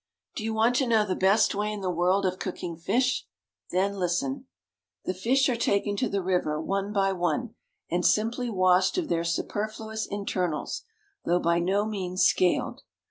Do you want to know the best way in the world of cooking fish? Then listen. The fish are taken to the river by one, and simply washed of their superfluous internals, though by no means scaled.